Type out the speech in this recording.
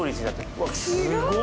うわっすごい。